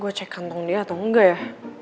gue cek kantong dia atau enggak ya